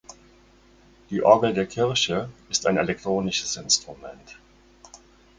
Die Orgel der Kirche ist ein elektronisches Instrument.